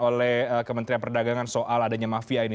oleh kementerian perdagangan soal adanya mafia ini